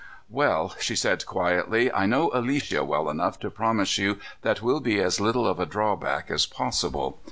"Well," she said quietly, "I know Alicia well enough to promise you that we'll be as little of a drawback as possible.